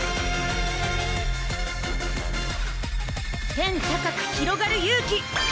天高くひろがる勇気！